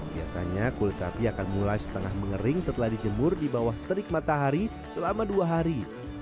biasanya kulit sapi akan mulai setengah mengering setelah dijemur di bawah terik matahari selama dua hari